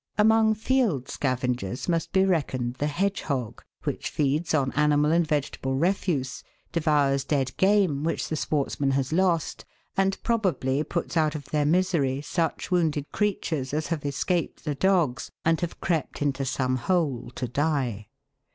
Among field scavengers must be reckoned the hedge hog, which feeds on animal and vegetable refuse, devours dead game which the sportsman has lost, and probably puts out of their misery such wounded creatures as have escaped the dogs and have crept into some hole to die.